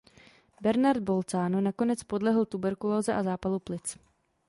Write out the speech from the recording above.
Bernard Bolzano nakonec podlehl tuberkulóze a zápalu plic.